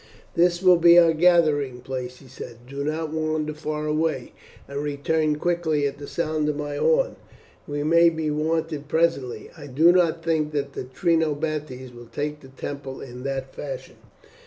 "This will be our gathering place," he said. "Do not wander far away, and return quickly at the sound of my horn. We may be wanted presently. I do not think that the Trinobantes will take the temple in that fashion."